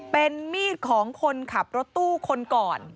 เป็นมีดของคนขับรถตู้คนก่อน